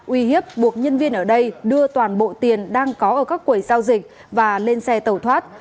uy hiếp buộc nhân viên ở đây đưa toàn bộ tiền đang có ở các quầy giao dịch và lên xe tẩu thoát